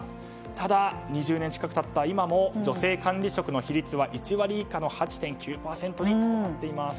ただ、２０年近く経った今も女性管理職の比率は１割以下の８．９になっています。